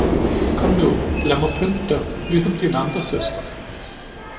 Kom nu, lad mig pynte dig, ligesom dine andre søstre!